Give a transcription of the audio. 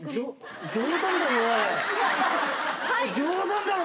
冗談だろ！？